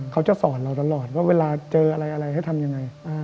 เขาจะสอนเราตลอดว่าเวลาเจออะไรอะไรให้ทำยังไง